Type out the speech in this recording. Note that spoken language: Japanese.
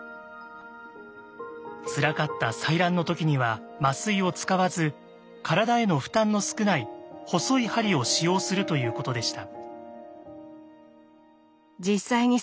つらかった採卵の時には麻酔を使わず体への負担の少ない細い針を使用するということでした。